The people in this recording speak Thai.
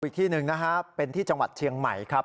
อีกที่หนึ่งนะฮะเป็นที่จังหวัดเชียงใหม่ครับ